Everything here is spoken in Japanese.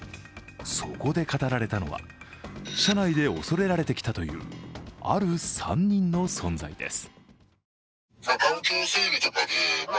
そこで語られたのは社内で恐れられてきたというある３人の存在です。